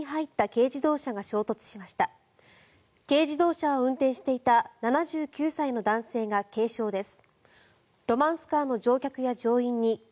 軽自動車を運転していた７９歳の男性が軽傷です。